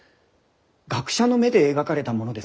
学者の目で描かれたものです。